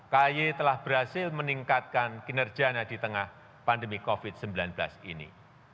kay telah berhasil meningkatkan kinerjanya di tengah pandemi covid sembilan belas ini